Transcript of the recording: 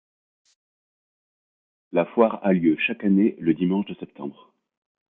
La foire a lieu chaque année le dimanche de septembre.